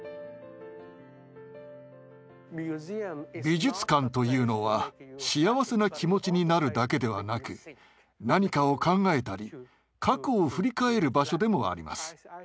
美術館というのは幸せな気持ちになるだけではなく何かを考えたり過去を振り返る場所でもあります。